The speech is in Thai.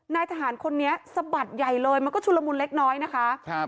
นายทหารคนนี้สะบัดใหญ่เลยมันก็ชุลมุนเล็กน้อยนะคะครับ